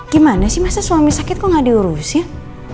gimana sih masa suami sakit kok gak diurusin